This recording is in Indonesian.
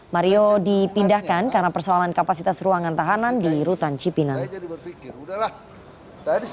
mario dipindahkan karena persoalan kapasitas ruangan tahanan di rutan cipinang